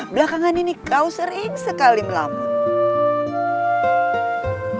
belakangan ini kau sering sekali melamun